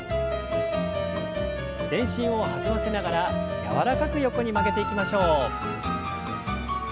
全身を弾ませながら柔らかく横に曲げていきましょう。